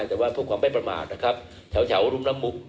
ส่วนเรื่องสถานการณ์ฝนในช่วง๕๙สิงหาคม